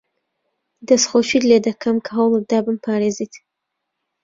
دەستخۆشیت لێ دەکەم کە هەوڵت دا بمپارێزیت.